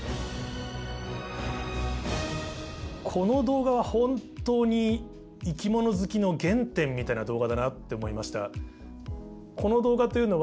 この動画は本当に生き物好きの原点みたいな動画だなって思いました。